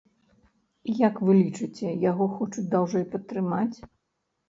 Як вы лічыце, яго хочуць даўжэй патрымаць?